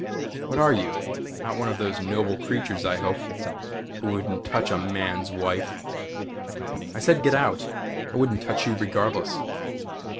"What are you? Not one of those noble creatures I hope who wouldn't touch a man's wife." "I said get out! I wouldn't touch you regardless."